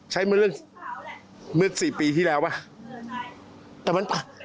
ใช้เมื่อเรื่องมืดสี่ปีที่แล้วไหม